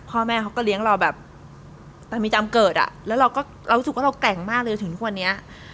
พ่อแม่เขาก็เลี้ยงเราแบบมีจำเกิดอ่ะแล้วเราก็เรารู้สึกว่าเราแกร่งมากเลยจนถึงทุกวันนี้